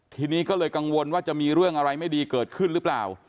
ทีนี้ก็เลยกังวลว่าจะมีเรื่องอะไรไม่ดีเกิดขึ้นหรือเปล่า